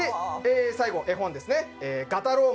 最後絵本ですねガタロー☆